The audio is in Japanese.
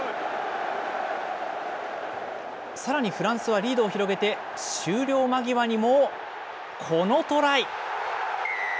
さらにフランスはリードを広げて、終了間際にもこのトライ。